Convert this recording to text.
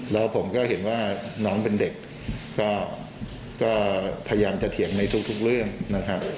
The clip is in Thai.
แล้วผมก็เห็นว่าน้องเป็นเด็กก็พยายามจะเถียงในทุกเรื่องนะครับ